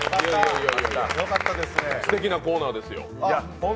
すてきなコーナーですよ。